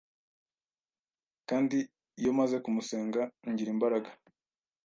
kandi iyo maze kumusenga ngira imbaraga